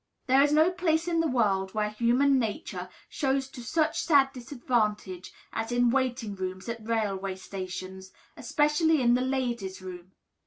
There is no place in the world where human nature shows to such sad disadvantage as in waiting rooms at railway stations, especially in the "Ladies' Room."